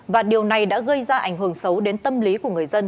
và điều này đã gây ra ảnh hưởng xấu đến tâm lý của người dân